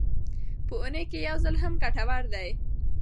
په اونۍ کې یو ځل هم ګټور دی.